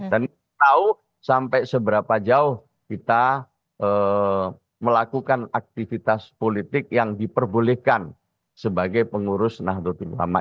dan kita tahu sampai seberapa jauh kita melakukan aktivitas politik yang diperbolehkan sebagai pengurus nahdlatul ulama